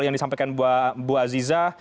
yang disampaikan bu aziza